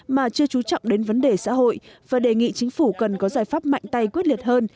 mà chưa trú trọng đến vấn đề xã hội và đề nghị chính phủ cần có giải pháp mạnh tay quyết liệt hơn